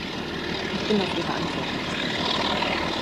Ich bin auf Ihre Antworten gespannt.